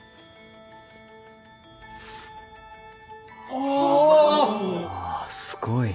おお！ああすごい。